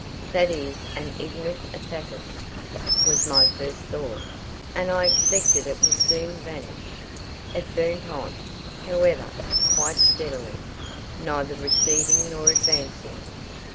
"That is an ignis fatuus," was my first thought; and I expected it would soon vanish. It burnt on, however, quite steadily, neither receding nor advancing.